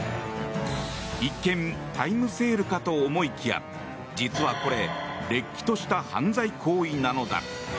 一見、タイムセールかと思いきや実はこれ、れっきとした犯罪行為なのだ。